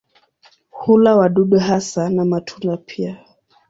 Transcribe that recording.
Hula wadudu hasa na matunda pia.